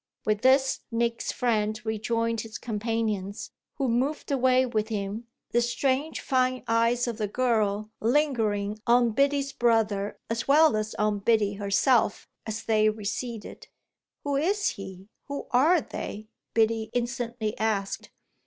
With this Nick's friend rejoined his companions, who moved away with him, the strange fine eyes of the girl lingering on Biddy's brother as well as on Biddy herself as they receded. "Who is he who are they?" Biddy instantly asked.